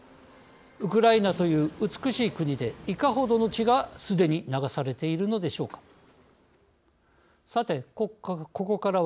ウクライナという美しい国でいかほどの血がすでに流されているのでしょうか。